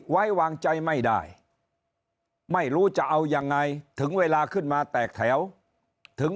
ไว้วางใจไม่ได้ไม่รู้จะเอายังไงถึงเวลาขึ้นมาแตกแถวถึง